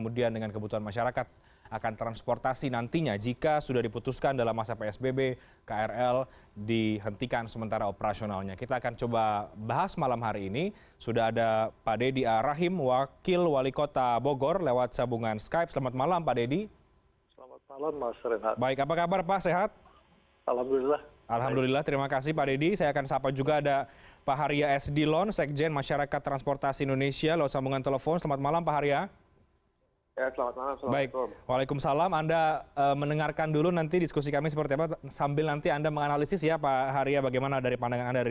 untuk keputusan keputusan lain tentu kami mengikuti saja nanti dari pemerintah bagaimana